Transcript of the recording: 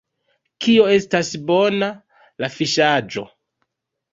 Kio estas bona? la fiŝaĵo!